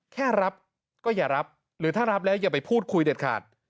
แค่รับก็อย่ารับหรือถ้ารับแล้วอย่าไปพูดคุยเด็ดขาด